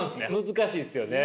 難しいですよね。